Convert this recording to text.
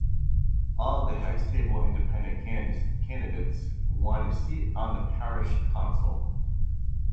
All of the Hextable Independent candidates won a seat on the Parish Council.